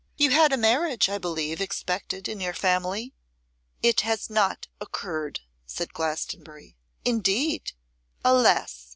'You had a marriage, I believe, expected in your family?' 'It has not occurred,' said Glastonbury. 'Indeed!' 'Alas!